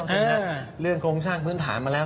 ใช่ไหมครับเรื่องโครงช่างพื้นฐานมาแล้ว